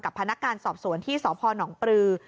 กับพนักการณ์สอบสวนที่สภหนองปรือ